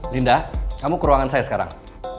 linda kamu ke ruangan saya sekarang